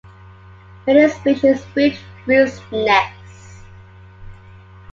Many species build roost nests.